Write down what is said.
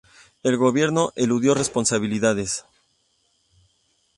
El Gobierno eludió responsabilidades.